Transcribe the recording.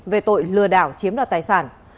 về tội lừa đảo chiếm đoạt tài sản